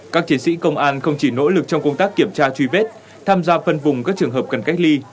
các chiến sĩ công an không chỉ nỗ lực trong công tác kiểm tra truy vết tham gia phân vùng các trường hợp cần cách ly